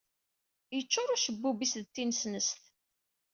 Yeččur ucebbub-is d tinesnest.